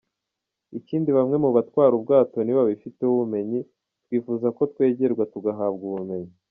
Ikindi bamwe mu batwara ubwato ntibabifiteho ubumenyi, twifuza ko twegerwa tugahabwa ubumenyi.